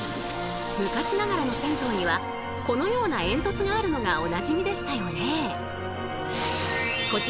昔ながらの銭湯にはこのような煙突があるのがおなじみでしたよね。